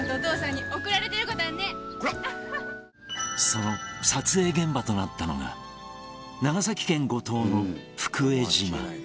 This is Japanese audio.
その撮影現場となったのが長崎県五島の福江島